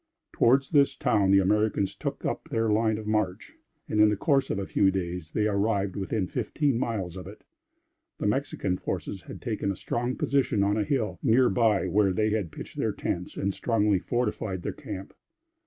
Towards this town the Americans took up their line of march, and, in the course of a few days, they arrived within fifteen miles of it. The Mexican forces had taken a strong position on a hill, near by where they had pitched their tents and strongly fortified their camp.